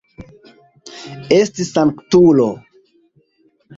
Esti sanktulo!